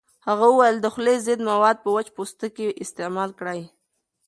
هغه وویل د خولې ضد مواد په وچ پوستکي استعمال کړئ.